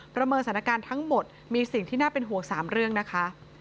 เมินสถานการณ์ทั้งหมดมีสิ่งที่น่าเป็นห่วง๓เรื่องนะคะ